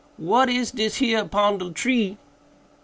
what is dis here pon de tree?"